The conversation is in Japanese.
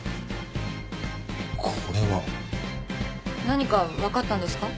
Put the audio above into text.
何か分かったんですか？